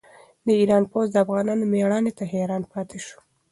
د ایران پوځ د افغانانو مېړانې ته حیران پاتې شو.